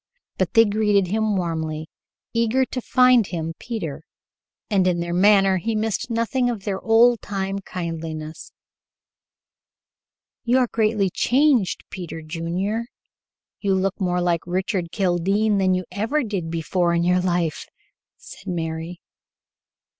But they greeted him warmly, eager to find him Peter, and in their manner he missed nothing of their old time kindliness. "You are greatly changed, Peter Junior. You look more like Richard Kildene than you ever did before in your life," said Mary.